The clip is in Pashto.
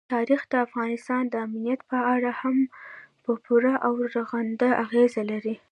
تاریخ د افغانستان د امنیت په اړه هم پوره او رغنده اغېز لري.